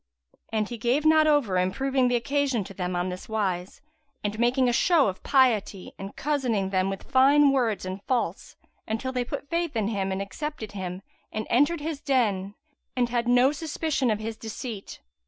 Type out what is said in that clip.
And he gave not over improving the occasion to them on this wise, and making a show of piety and cozening them with fine words and false until they put faith in him and accepted him and entered his den and had no suspicion of his deceit.